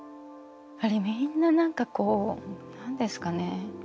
みんな何かこう何ですかね。